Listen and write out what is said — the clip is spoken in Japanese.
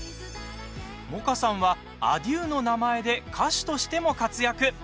萌歌さんはａｄｉｅｕの名前で歌手としても活躍。